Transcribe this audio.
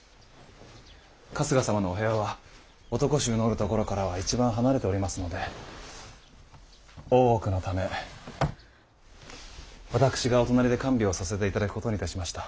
春日様のお部屋は男衆のおるところからは一番離れておりますので大奥のため私がお隣で看病させて頂くことにいたしました。